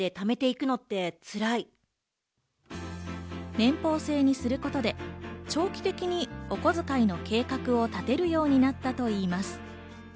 年俸制にすることで長期的にお小遣いの計画を立てるようになったといいます。